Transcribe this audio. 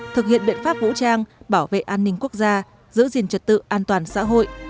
thực hiện biện pháp vũ trang bảo vệ an ninh quốc gia giữ gìn trật tự an toàn xã hội